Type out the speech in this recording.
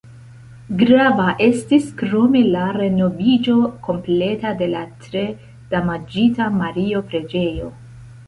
Grava estis krome la renoviĝo kompleta de la tre damaĝita Mario-preĝejo.